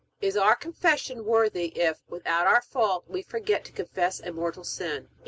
Is our Confession worthy if, without our fault, we forget to confess a mortal sin? A.